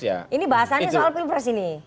ini bahasanya soal pilpres ini